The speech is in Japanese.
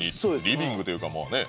リビングというかまあね。